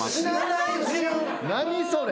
何それ。